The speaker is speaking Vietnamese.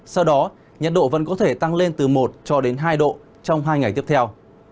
sau đó nhiệt độ vẫn có thể tăng lên từ một cho đến hai độ trong hai ngày tiếp theo